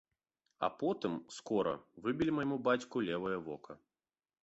А потым, скора, выбілі майму бацьку левае вока.